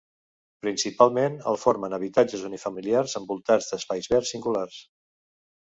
Principalment el formen habitatges unifamiliars envoltats d'espais verds singulars.